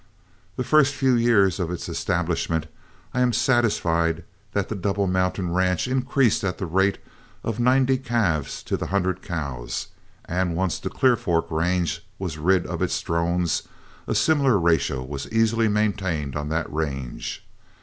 The first few years of its establishment I am satisfied that the Double Mountain ranch increased at the rate of ninety calves to the hundred cows, and once the Clear Fork range was rid of its drones, a similar ratio was easily maintained on that range.